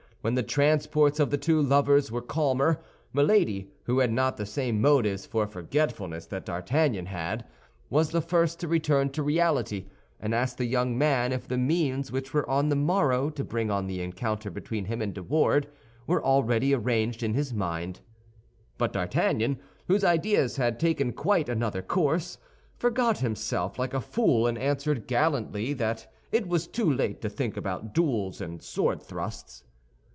When the transports of the two lovers were calmer, Milady, who had not the same motives for forgetfulness that D'Artagnan had, was the first to return to reality, and asked the young man if the means which were on the morrow to bring on the encounter between him and De Wardes were already arranged in his mind. But D'Artagnan, whose ideas had taken quite another course, forgot himself like a fool, and answered gallantly that it was too late to think about duels and sword thrusts.